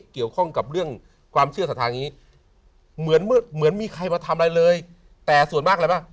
เกี่ยวข้องกับเรื่องความเชื่อสัตว์ทางนี้เหมือนมีใครมาทำอะไรเลยแต่ส่วนมากอะไรป่ะ